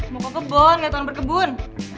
mau ke kebun liat orang berkebun